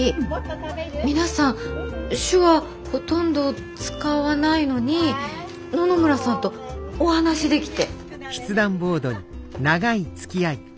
皆さん手話ほとんど使わないのに野々村さんとお話できて。